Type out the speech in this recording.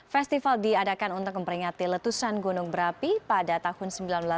festival diadakan untuk memperingati letusan gunung berapi pada tahun seribu sembilan ratus delapan puluh